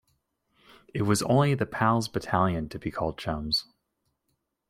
It was the only 'pals battalion' to be called 'chums'.